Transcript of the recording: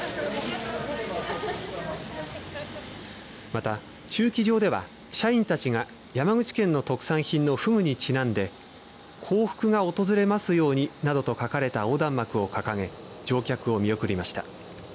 また駐機場では社員たちが山口県の特産品のフグにちなんで幸福が訪れますようになどと書かれた横断幕を掲げ乗客を見送りました。